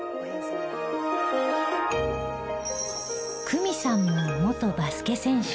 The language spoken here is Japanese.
久美さんも元バスケ選手。